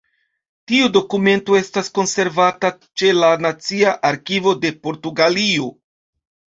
Tiu dokumento estas konservata ĉe la Nacia Arkivo de Portugalio.